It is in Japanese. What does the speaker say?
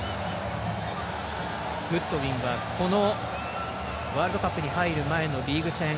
グッドウィンがこのワールドカップに入る前のリーグ戦